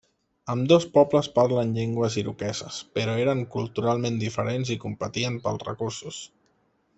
Ambdós pobles parlen llengües iroqueses però eren culturalment diferents i competien pels recursos.